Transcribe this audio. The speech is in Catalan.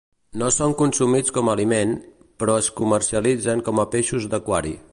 No són consumits com a aliment, però es comercialitzen com a peixos d'aquari.